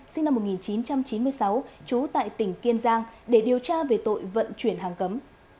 sinh năm một nghìn chín trăm chín mươi sáu trú tại tỉnh kiên giang để điều tra về tội vận chuyển hàng cấm